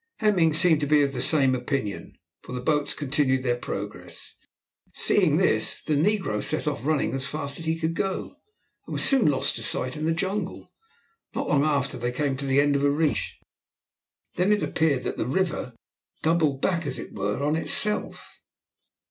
Hemming seemed to be of the same opinion, for the boats continued their progress. Seeing this the negro set off running as fast as he could go, and was soon lost to sight in the jungle. Not long after they came to the end of a reach, and then it appeared that the river doubled back as it were on itself.